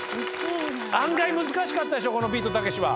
案外難しかったでしょこのビートたけしは。